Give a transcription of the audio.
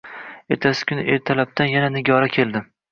Ertasi kuni ertalabdan yana Nigora keldi